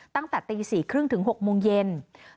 ตั้งแต่ตี๔๓๐ถึง๖โมงเย็น